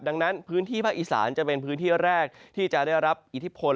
ดังนั้นพื้นที่ภาคอีสานจะเป็นพื้นที่แรกที่จะได้รับอิทธิพล